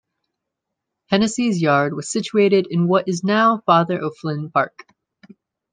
Hennessy's yard was situated in what is now Father O'Flynn Park.